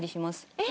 えっ？